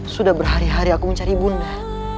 sudah berhari hari aku mencari bunda